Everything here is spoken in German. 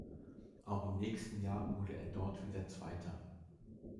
Auch im nächsten Jahr wurde er dort wieder Zweiter.